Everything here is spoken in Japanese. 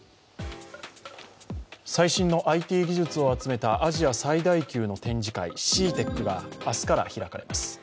最新のＩＴ技術を集めたアジア最大級の展示会、ＣＥＡＴＥＣが明日から開かれます。